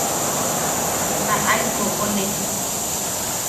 Baʼai kokone.